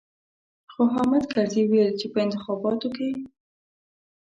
خو حامد کرزي ويل چې په انتخاباتو کې.